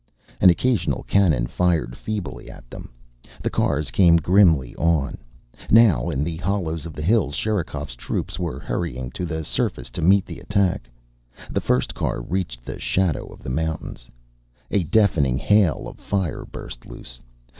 An occasional cannon fired feebly at them. The cars came grimly on. Now, in the hollows of the hills, Sherikov's troops were hurrying to the surface to meet the attack. The first car reached the shadow of the mountains.... A deafening hail of fire burst loose.